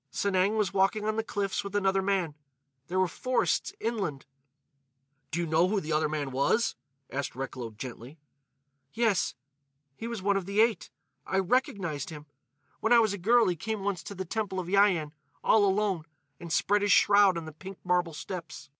"Sanang was walking on the cliffs with another man. There were forests, inland." "Do you know who the other man was?" asked Recklow gently. "Yes. He was one of the Eight. I recognised him. When I was a girl he came once to the Temple of Yian, all alone, and spread his shroud on the pink marble steps.